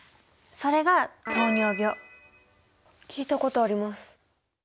それが聞いたことあります。